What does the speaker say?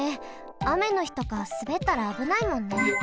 あめのひとかすべったらあぶないもんね。